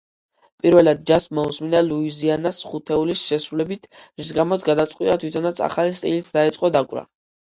პირველად ჯაზს მოუსმინა ლუიზიანას ხუთეულის შესრულებით, რის გამოც გადაწყვიტა თვითონაც ახალი სტილით დაეწყო დაკვრა.